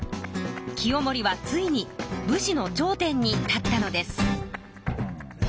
清盛はついに武士の頂点に立ったのです。